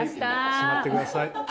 しまってください。